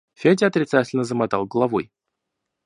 Федя отрицательно замотал головой.